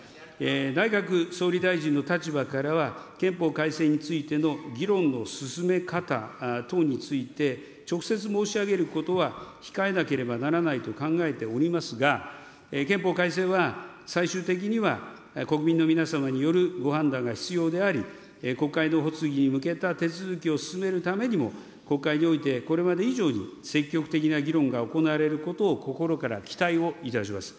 内閣総理大臣の立場からは、憲法改正についての議論の進め方等について、直接申し上げることは控えなければならないと考えておりますが、憲法改正は最終的には、国民の皆様によるご判断が必要であり、国会の発議に向けた手続きを進めるためにも、国会においてこれまで以上に積極的な議論が行われることを心から期待をいたします。